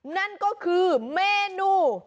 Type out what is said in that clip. นั่นก็คือเมนู